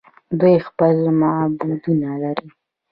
دوی خپل معبدونه لري.